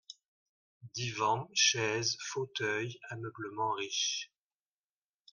Divan, chaises, fauteuils, ameublement riche.